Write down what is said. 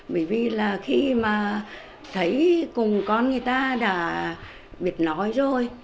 bởi vì là khi mà thấy cùng con người ta đã biết nói rồi